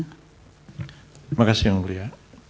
terima kasih yang mulia